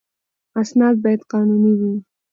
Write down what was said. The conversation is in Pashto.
اسناد باید قانوني وي.